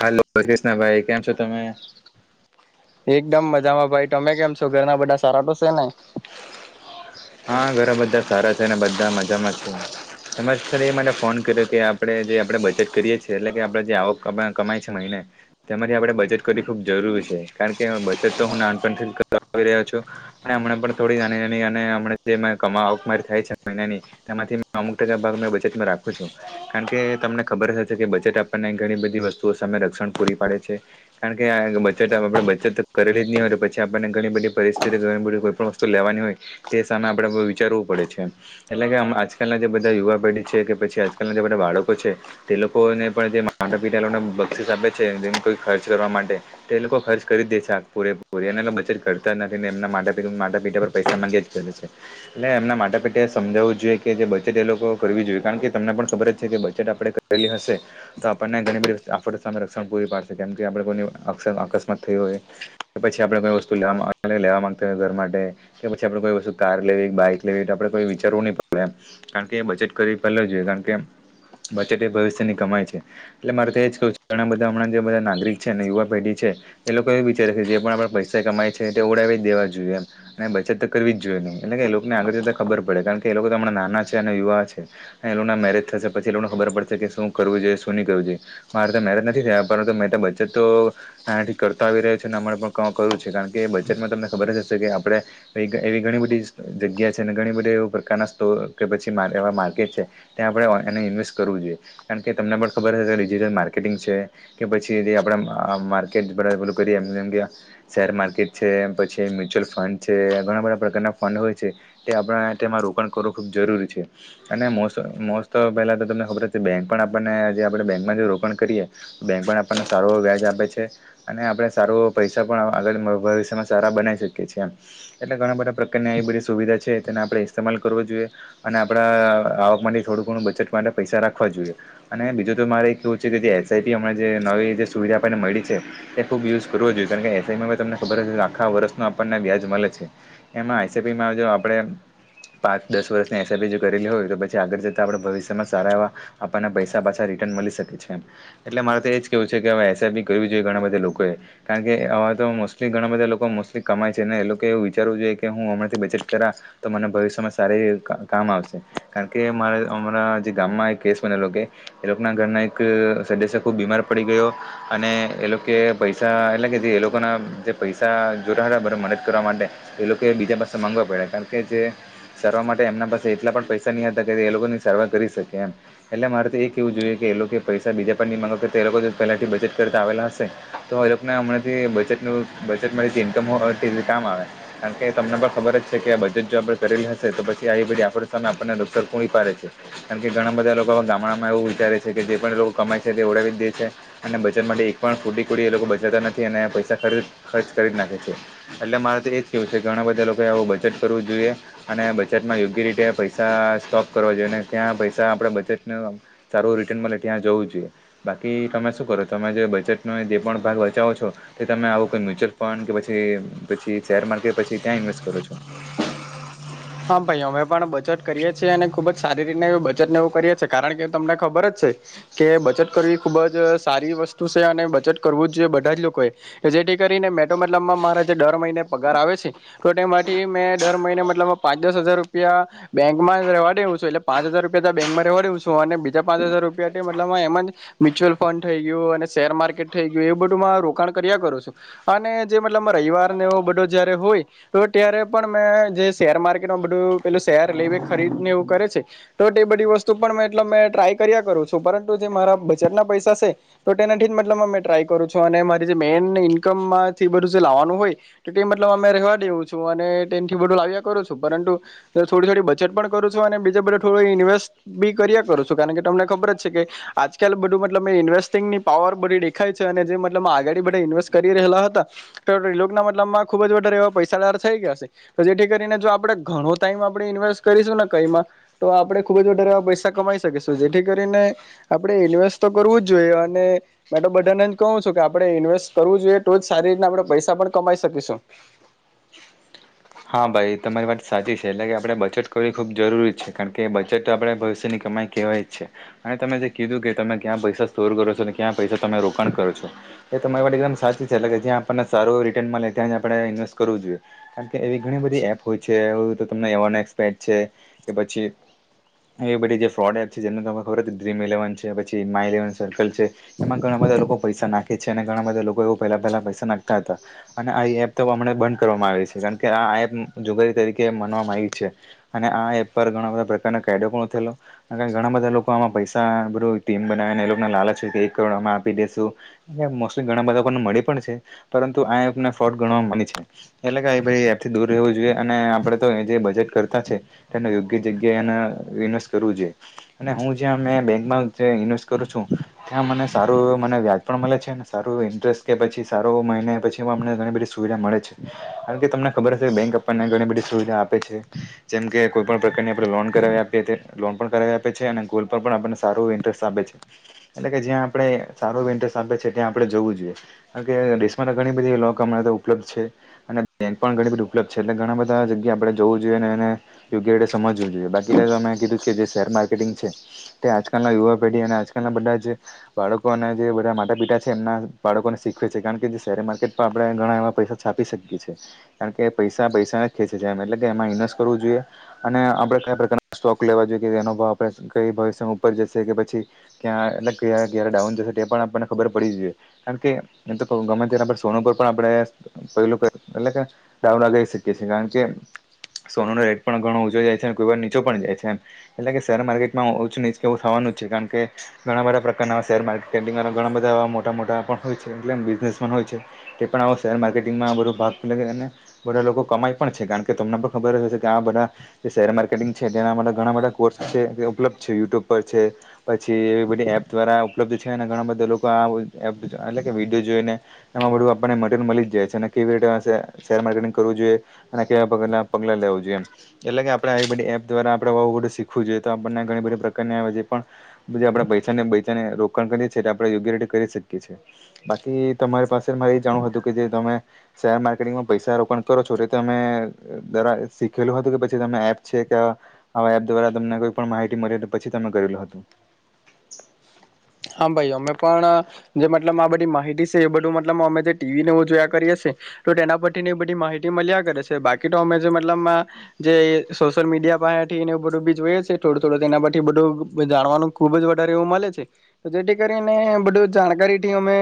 Hello કૃષ્ણભાઈ કેમ છો તમે એકદમ મજામાં ભાઈ તમે કેમ છો ઘરના બધા સારાટો છે ને હા ઘરા બધા સારા છે અને બધા મજામાં છે તમારે સર એ માટે ફોન કર્યો કે આપડણે જે આપડણે બજેટ કરીએ છીએ એટલે કે આપણેે જે આવક કમાય છે મહિને તેમાંથી આપડે બચત કરવી ખુબ જરૂરી છે કારણ કે બચત તો હું નાનપથી રહ્યો છું અને હમણા પણ થોડી જાણી મ જે કરી થાય છે મહિનાની તેમાંથી અમુક ટકા ભાગ બચેટમાં રાખું છું કારણ કે તમને ખબર હ છે કે બજેટ આપવાને ઘણી બધી વસ્તુઓ સામે રક્ષણ પૂરી પાડે છે કારણ કે ત્યાં બચત આપણે બચત કરી લીધીની હોય પછી આપણને ઘણી બધી પરિસ્થિતિઓ ઘણી બધી કોઈ પણ વસ્તુ લેવાની હોય તે સામે આપડે વિચારવું પડે છે એટલે કે આજકાલના જે બધા યુવા પેઢી છે કે પછી આજકાલના બધા બાળકો છે તે લોકોને પણ જે માટા પિતા લોકોને બક્ષીસ આપે છે જેને કોઈ ખર્ચ કરવા માટે તે એ લોકો ખર્ચ કરી જ દે છે આ પૂરે પૂરી એના બચત કરતા જ નથી ને એમના મા પિતા પર પૈસા એટલે એમના માટા પેટે સમજાવવું જોઈએ કે જે બચેટ એ લોકો કરવી જોઈએ કારણ કે તમને પણ ખબર જ છે કે બજેટ આપણે કરેલી હશે તો આપણને ઘણી બધી આફતો સામે રક્ષણ પૂરી પાડશે કેમ કે આપણે કોની અ અકસ્માત થઈ હોય કે પછી આપડે કોઈ વસ્તુ લે લેવા માંગતા હોય ઘર માટે કે પછી આપડે કોઈ વસ્તુ કાર લેવી બાઈક લેવી આપડે કોઈ વિચારવું નહી પડે કારણ કે બજેટ કરી પહેલા જોઈએ કેમ બચેટ એ ભવિષ્ય ની કમાય છે એટલે મારે તો એજ કવું છે ઘણા બધા હમણાં જે બધા નાગરિક છે ને યુવા પેઢી છે એ લોકો એવું વિચારી છે જે પણ આપડે પૈસા કમાય છે તે ઓડાવી જ દેવા જોઈએ એમ અને બચત તો કરવી જ જોઈએ નહીં એટલે કે એ લોકોને આગળ જતાં ખબર પડે કારણ કે એ લોકોણાં નાના છે અને યુવા છે મેરેજ થશે પછી એ લોકોને ખબર પડશે કે શું કરવું જોઈ શું ન કરવું છે, મારે તો મેરેજ નથી થયા પરંતુ મેં બ બચેટ તો નાનાથી કરતા આવી રહ્યો છે અને હમણાં પણ ક કરવું છે કારણ કે બજેટમાં તમને ખબર જ હશે કે આપણે એવી ઘણી બધી જગ્યા છે અને ઘણી બધી એ પ્રકારના સ્ટોર કે પછી એવા માર્કેટ છે ત્યાં આપણે ઓને ઇન્વેસ્ટ કરવું જોઈએ કારણ કે તમને પણ ખબર હશે કે ડિજટલ માર્કેટિંગ છે કે પછી જે આપડે માર્કેટ બધું કરીએ એમમ [unintelligible] કે શેર માર્કેટ છે પછી મ્યુચ્યુઅલ ફંડ જે ઘણા બધા પ્રકારના ફંડ હોય છે તે આપણે તેમાં રોકાણ કરવું ખૂબ જરૂરી છે અને મોસમ મોસ્ટ ઓ પેલા તો તમને ખબર બેં આપણને આપણે બેંમાં રોકાણ કરીએ બેંક પણ આપણને સારું વ્યાજ આપે છે અને આપણે સારો પૈસા પણ આગળ ભવિષ્યમાં સારા બનાવી શકીએ છીએ એમ એટલે ઘણા બધા પ્રકારની આવી બધી સુવિધા છે તેને આપણે ઇસ્તેમાલ કરવો જોઈએ અને આપડા માટે થોડું ઘણું બચટ માટે પૈસા રાખવા જોઈએ અને બીજું તો મારે એક કેવું છે કે જે એસઆઈપી હમણાં જે નવી જે સુવિધા આપણને મળી છે તે ખૂબ યુઝ કરવો જોઈએ કાર કે એસઆઈપમાં તમને ખબર હ કે આખા વર્ષનો આપણને વ્યાજ મળે છે એમાં આઈસીપીમાં જો આપણે પાંચ દસ વર્ષની એસઆપી કરેલી હોય તો પછી આગળ જતાડણે ભવિષ્યમાં સારા એવા આપણના પૈસા પાછા મળી શકે છે એટલે મારે તો એજ કેવું છે કે એસઆઈપી કરવી જોઈએ ઘણા બધા લોકોએ કારણ કે આ તો મોસ્ટલી ઘણા બધા લોકો મોસ્ટલી કમાય છે ને એ લોકો વિચારવું જોઈએ કે હું હમણાંથી બચટ કરા તો મને ભવિષ્યમાં સારી કામ આવશે કારણ કે અમારા હમણાં જે ગામમાં એક કેસ બનેલો કે એ લોકો ના ઘરના એક સદસ્ય ખુબ બીમાર પડી ગયો અને એ લોકો પૈસા એટલે કે જે એ લોકો ના જે પૈસા જોરા હતા બરા મને કરવા માટે એ લોકોએ બીજા પાસે માગવા પડ્યા કારણ કે જે સારવાર માટે એમના પાસે એટલા પણ પૈસા નહીં હતા એ લોકોની સારવાર કરી શકે એમ, એટલે મારે તો એ કેહેવું જોઈએ કે એ લોકો પૈસા બીજા પરની માંગ કર એ લોકો પહેલાથી બચટ કરતાં આવેલા હશે તો એ લોકોને હમણાંથી બચેટનું બચેટમાં જે ઇન્કમ હોય કામ આવે કારણ કે તમને પણ ખબર જ છે કે બજેટ જો આપણે કરેલી હશે તો પછી આવી બધી આપડી સામે આપણને પૂરી પાડ છે કારણ કે ઘણા બધા લોકો ગામડામાં એવું વિચારે છે કે જે પણ લોકો કમાય છે તે ઓડાવી જ દે છે. અને બચટ માટે એક પણ ફૂટીકોડી એ લોકો બચાવતા નથી અને પૈસા ખરચ ખર્ચ કરી જ નાખે છે. એટલે મારે તો એજ કેવું છે કે ઘણા બધા લોકો આવું બચેટ કરવું જોઈએ અને બચેટ માં યોગ્ય રીતે પૈસા સોપ કરવો જોઈ ત્યાં પૈસા આપે બજેટ સારું રિટર્ન મળે ત્યાં જવું જોઈએ બાકી તમે શું કરો તમે જે બજેટનો જે પણ ભાગ બચાવો છો તે તમે આવું કોઈ મ્યુચ્યુઅલ ફંડ કે પછી પછી શેર માર્કેટ પછી ત્યાં ઇન્વેસ્ટ કરો છો? હા ભાઈ અમે પણ બચટ કરીએ છીએ અને ખુબ જ સારી રીતને બચટને એવું કરીએ છીએ કારણ કે તમને ખબર જ કે બચત કરવી ખુબ જ સારી વસ્તુ છે અને બચત કરવું જ જોઈએ બધા જ લોકો એ જે જેથી કરીને મેં તો મતલબ માં મારા જે દર મહિને પગાર આવે છે તો તેમાંથી મેં દર મહિને મતલબ પાંચ દસ હજાર રૂપિયા બેંકમાં રહેવા દેવ છું એટલે પાચ હજાર રૂપિયા બેંકમાં રહેવા દેવ છું અને બીજા પાચ હજાર રૂપિયા મતલબ એમ જ મ્યુચ્યુઅલ ફંડ થઈ ગયું, અને શેર માર્કેટ થઈ ગયું, એ બધું મા રોકાણ કર્યા કરો છુ. અને જે મતલબ રવિવારને એવો બધો જયારે હોય ત્યારે પણ મે જે શેર માર્કેટમાં બધું પેલું શેર લઈ ખરીદ ને એવું કરે છે તો એ બધી વસ્તુ પણ એટલે મે ટ્રાય કર્યા કરું છું પરંતુ જે મારા બજેટના પૈસા છે તો તેનાથી મતલબ ટ્રાય કરું છું અને મારી જે મેન ઇન્કમ માં થી જે બધુ લાવવાનું હોય તો તે મતલબ અમે રહવા દેવું છું, અનેથી બધું લાઈ કરું છું પરંતુ થોડી થોડી બચેત પણ કરું છું અને બીજા બધે થોડું ઇન્વેસ્ટ બી કર્યા કરું છું કારણ કે તમને ખબર જ છે કે આજકાલ બધું મતલબ મે ઇન્વેસ્ટિંગ ની પાવર બધી દેખાય છે, અને જે મતલબ આગાડી બધે ઇન્વેસ્ટ કરી રહેલા હતા તે લોક ના મતલબમાં ખુબ જારે એવા પૈસાદાર થઈ ગયા હશે જે કે કરીને જો આપડણે ઘણો ટાઈમ આપણે ઇન્વેસ્ટ કરીશું ને કઈમાં તો આપણે ખુબ જ વધારેવા પૈસા કમાઈ શકીશું. જેથી કરીને આપડણે ઇન્વેસ્ટ તો કરવું જ જોઈએ અને મે તો બધાને જ કહું છું કે આપણે ઇન કરવું જોઈએ તો જ સારી રીતના આપણે પૈસા પણ કમાઈ શકીશું. [inaudible] હા ભાઈ તમારી વાત સાચી છે એટલે કે આપણે બચત કરવી ખૂબ જરૂરી છે કારણ કે બચટ આપણે ભવિષ્યની કમાઈ કહેવાય જ છે. અને તમે જે કીધું કે તમે ક્યાં પૈસા સ્ટોર કરો છો ક્યાં પૈસા તમે રોકાણ કરો છો. એ તો તમારી માટે એકદમ સાચું છે એટલે કે જ્યાં આપણને સારું રિટર્ન મળે ત્યાં જ આપણે ઇન્વેસ્ટ કરવું જોઈએ. એવી ઘણી બધી એપ હોય છે તમને એવનેક્સ પેક છે કે પછી એવી બધી જે ફ્રોડ એપ છે જેને તને ખબર ડ્રીમ ઇલેવન છે પછી માય લેવન સર્કલ છે એમાં ઘણા બ બધા લોકો પૈસા નાખે છે, અને ઘણા બધા લોકો એવું પહેલા પહેલા પૈસા નાખતા હતા અને આઇ એપ તો હવે બંધ કરવામાં આવે છે. કારણ કે આ એપ જુગારી તરીકે માનવામાં આવી છે અને આ એપ પર ઘણા બધા પ્રકારના કાયદો પણ ઘણા બધા લોકો આમાં પૈસા બધું ટીમ બનાવે ને એ લોકોને લાલ છે એક કરોડમે આપી દેસુ ઘણા બધાને મળી પણ છે પરંતુ આને ફોટ ગણની છે એટલે થી દૂર રહેવું જોઈએ અને આપડે તો જે બજેટ કરતા છે યોગ્ય જગ્યા એ હું બેક ઇસ્ટ કરું છું ત્યાં મને સારું મ્યા પણ મળે છે ને સારું ઇન્ટરેસ્ટ કે પછી સારો મહિને પછી અમને ઘણી બધી સુવિધા મળે છે કારણ કે તમને ખબર હશે કે બેંક આપવા ઘણી બધી સુવિધા આપે છે જેમકે કોઈ પણણ પ્રકારની આપણે લોન કરાવી આપીએ આપે છે ગ આપને સારું ઇન્ટરે આપે છે એટલે કે જ્યાં આપ સાર આપે છે ત્યા આપ જોવું જોઈએ કાર દેશ ઘણી બધીણાં ઉપલબ્ધ છે અને પણ ઘણી બધી ઉપલબ્ધ છે એટલે ઘણા બધા જગ્યા આપડણે જોવું જોઈએ અને એને યોગ્ય રીતે સમજવું જોઈએ બાકી માટ છે તે આજલ યુવા પેઢી અને આજકાલના બધા બાળકો અને બધા માટા પીટા છે એમના બાળકોને શીખવે છે કારણ કે જે શેર માર્કેટમાં આપણે ઘણા એવા પૈસા છાપી શકીએ છીએ કારણ કે પૈસા પૈસાને જ ખેંચે છે એમ એટલે કે એમાં ઇન્વેસ્ટ કરવું જોઈએ અને આપડે કયા પ્રકાર સોક લેવા જોઈએ તેનો ભાવ આપણે કઈ ભવિષ્ય ઉપર જશે કે પછી ક્યાં ક ક ડાઉન જશે તે પણ ને આપણને ખબર પાડવીજોઈ કારણકે તો કો ગમે તેના સોનુ પર પણ આપડે પેલુ એટલેકે [unintelligible] શકીએ છીએ કારણ કે સોનો નો રેટ પણ ઘણો ઓંચો જાય છે અને કોઈ વાર નીચો પણ જાય છે એટલે કે શેર માર્કેટમાં ઓનીચવ થવાનું કારણ કે ઘણા બધા પ્રકારના શેર માર્કે ઘણા બધાવા મોટા મોટા પણ હોય છે એ બૂઝિનેસ્સ હોય છે તે પણ આવો શેર માર્કેટિંગમાં બધો ભાગ [unintelligible] બધા લોકો કમાઈ પણ છે કારણ કે તમને પણ ખબર હશે કે આ બધા જે શેર માર્કેટિંગ છે તેના ઘણા બધા કોર્ ઉપલબ્ યુટ્યુબ પર છે પછી એવી બધી એપ દ્વારા ઉપલબ્ધ છે એના કારણે [unintelligible] વિડીયો જોઈ ને એમાં બધું આપને મટેરીઅલ મળી જાય છે અને કેવી [unintelligible] સહારે માર્ટંગ કરવું જોઈએ અને કેવા પગ પગલા લેવું જોઈએ એટલે કે આપણે એવી બધી એપ દ્વારા બધું શીખવું જોઈએ તો આપણને ઘણી બધા પ્રકાર આવે છે પણ બધ આપણા પૈસાને બચાને રોકાણ કરીએ છે આપણે યોગ્ય રીતે કરી શકીએ છીએ બાકી તમારી પાસે મારે એ જાણવું હતું કે જે તમે શેર મા માર્કેટિંગ પૈસા રોકાણ કરો છો એ તમેરા શીખેલું હતું કે પછી તમે એપ છે કે એપ દ્વારા તમને કોઈ પણ માહિતી મળી તો પછી તમે કરેલું હતું હા ભાઈ અમે પણ જે મતલબ આ બધી માહિતી છસે એ બધું મતલબ અમે જે ટીવી ને એવુ જોયા કરીએ સે તો તેના પરથી બધી માહિતી મળ્યા કરે છે બાકી તો અમે જે મતલબ જે સોશિયલ મીડિયા પાહેથી ને બધું બીચ હોય છે થોડું થોડું તેના પથી બધું જાણવાનું ખુબ જ વધારે એવુ મળે છે જેથી કરીને બધું જાણકારી થી અમે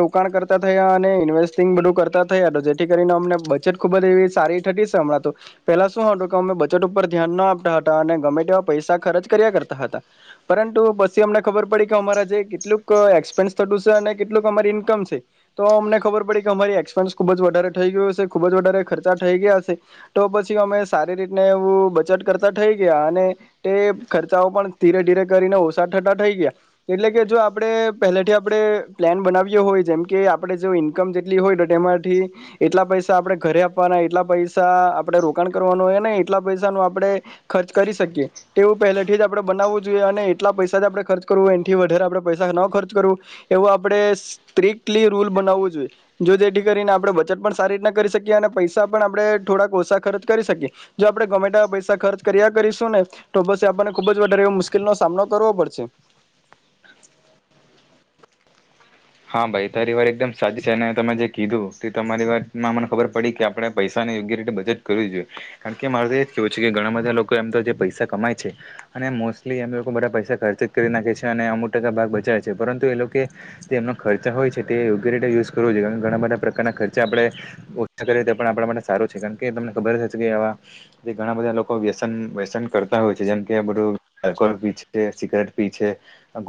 રોકાણ કરતા થયા અને વવસથી બધુ કરતા થયા જેથી કરીને અમને બજેટ ખુબ જ એવી સારી થતી સે હમણાં તો પેલા શું હતું બચત ઉપર ધ્યાન ના આપતા હતા અને ગમે તેવા પૈસા ખર્ચ કર્યા કરતા હતા પરંતુ પછી અમને ખબર પડી કે અમારા જે કેટલુંક એક્સપેન્સ થતું સે અને કેટલક અમારી ઇન્કમ છે તો અમને ખબર ખબર પડી કે અમારી એક્સપેન્સ ખુબ જ વધારે થઈ ગયો છે ખુબ જ વધારે ખર્ચા થઈ ગયા સે તો પછી અમે સારી રી એવુ બચત કરતા થઈ ગયા અને તે ખર્ચાઓ પણ ધીરે ધીરે કરીને ઠઠા થઈ ગયા એટલે કે જો આપણે પહેલેથી આપણે પ્લાન બનાવીએ હોય જેમ કે આપણે જો ઇન્મ જેટલી હોયને તેમાંથી એટલા પૈસા આપડે ઘરે આપવાના એટલા પૈસા આપણેે રોકાણ કરવાના એટલા પૈસા ન આપણે ખર્ચ કરી શકીએ તેવું પહેલે થી જ આપણે બનાવવું જોઈએ અને કેટલા પૈસા આપડે ખર્ચ કરવું એથી વધે આપણે પૈસા ન ખર્ચ કરવું એવું આપડે સ્ટ્રક્ટલી રૂલ બનવું જો જેથી કરીને આપણે બચત પણ સારી રીતના કરી શકીએ અને પૈસા પણ આપણે થોડાક ઓછા ખર્ચ કરી જો આપણે ગમેત્યાઁ પૈસા ખર્ચ કર્યા કરીશું ને તો બસ આપણને ખુબ વધારે મુશ્કેલ ન સામનો કરવો પડશે હા ભાઈ તારી વાત એકદમ સાચી છે અને તમે જે કીધું તે તમારી વાતમાં મને ખબર પડી કે આપણે પૈસા [unintelligible] રીતે બચત કરવી જોઈએ કારણ કે મારે તો એ જ કેવું છે કે ઘણા બધા લોકો એમ તો જે પૈસા કમાય છે મોસ્ટલી એમ લોકો બધા પૈસા ખર્ચ જ કરી નાખે છે અને અમુક ટકા ભાગ બચાવે છે પરંતુ એ લોકો તેમમનો ખર્ચા હોય છે તે યોગ્ય રીતે ઉસે કરવો જોઈએ અને ઘણા બધા પ્રકારના ખર્ચા આપણેે ઓછા કરીએ તો પકન આપણા માટે સારું છે કારણ કે તમને ખબર છે કે આવા જે ઘણા બધા લોકો વ્યસન વ્યસન કરતા હોય છે જેમ કે બધુંકોલ પી છે સિગરેટ પી છે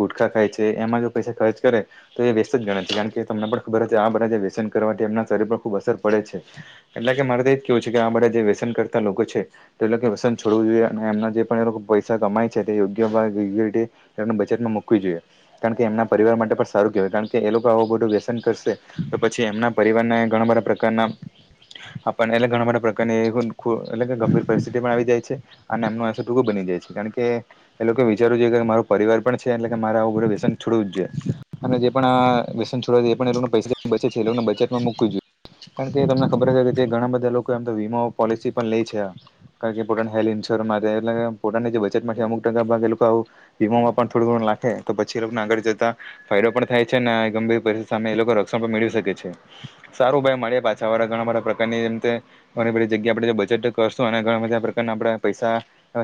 ગુટખા ખાય છે એમાં જો પૈસા ખર્ચ કરે તો એ વ્યસ્ત જ ગણ છે કારણ કે તમને પણ ખબર આ બધા વ્યસન કરવાથી એમના શરીર પર ખુબ અસર પડે છે એટલે મારેતો એજ કેવું છે કે આ બધા જે વ્યસન કરતા લોકો છે તે વ્યસન છોડવું જોઈએ અને એમના જે પણ પૈસા કમાય છે તે યોગ્ય યોગ્ય રીતેને બચેટમાં મુૂકવી જોઈએ કારણ કે એમના પરિવાર માટે પણ સારું કહેવાય કારણ કે એ લોકો આવું બધું વ્યસન કરશે તો પછી એમના પરિવારના ઘણા બધા પ્રકારના અપણ એટલે ગાંણ બધા પ્રકારની એટલે ગંભીર પરિસ્થિતિ પણ આવી જાય છે અને એમનું અસર ટૂંકું બનીજાય છે કારણ કે એ લોકો વિચારવું જોઈએ કે મારો પરિવાર પણ છે એટલે કે મારે આવું બધુ વ્યસન છોડવું જ જોઈએ અને જે પણ આ વ્યસન છોડ એ પણ એ લોકો પૈસા બચે છે એ લોકોને બચતમાં મુૂકવી જોઈએ કારણ કે તમને ખબર હશે કે જે ઘણા બધા લોકો એમ તો વીમા પોલિસી પણ લે છે કારણ કે પોતા હે એ પોતાની જે બટમાંથી અમુક ટકા ભાગ એ લોકોું વીમા પણ થોડું થોડું નાખે તો પછી કર જતા ફાયદો પણ થાય છે ને ગંભીર પરિસ્થિતિ સામે એ લોકો રક્ષણ પણ મેળવી શકે છે સારું ભાઈ મળી પાછા વાળા ઘણા પ્રકારની જે ઘણી બધી જગ્યા આપણે બજેટ કરશું અને ઘણા બધા પ્રકાર આપે પૈસા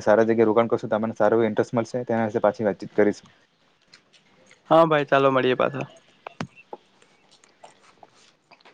સારા જગ્યાએ રોકાણ કરશું તો તમને સારું એ ઇન્ટરેસ્ટ મળશે તેના વિશે પાછી વાતચીત કરીશું હા ભાઈ ચાલો મળીએ પાછા